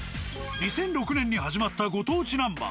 ２００６年に始まったご当地ナンバー。